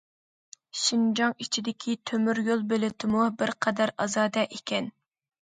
شىنجاڭ ئىچىدىكى تۆمۈريول بېلىتىمۇ بىر قەدەر ئازادە ئىكەن.